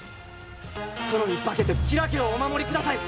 殿に化けて吉良家をお守りください！